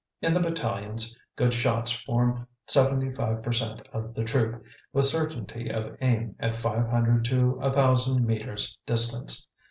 In the battalions, good shots form seventy five per cent of the troop, with certainty of aim at five hundred to a thousand metres distance.